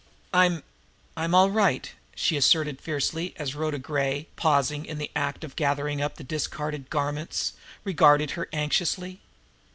"I'm I'm all right," she asserted fiercely, as Rhoda Gray, pausing in the act of gathering up the discarded garments, regarded her anxiously.